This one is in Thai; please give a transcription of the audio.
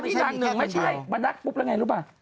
นี่นางหนึ่งไม่ใช่มานั่งปุ๊บแล้วไงรู้ป่ะ